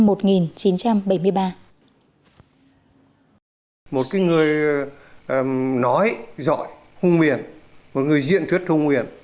một cái người nói giỏi hung biển một người diện thuyết hung biển